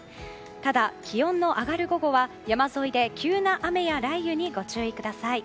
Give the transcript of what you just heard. ただ、気温の上がる午後は山沿いで急な雨や雷雨にご注意ください。